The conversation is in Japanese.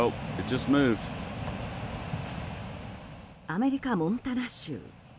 アメリカ・モンタナ州。